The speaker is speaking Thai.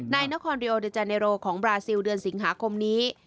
นครริโอเดอร์จาเนโรของบราซิลเดือนสิงหาคมนี้